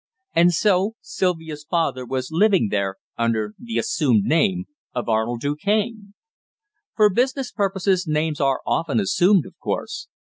And so Sylvia's father was living there under the assumed name of Arnold Du Cane! For business purposes names are often assumed, of course.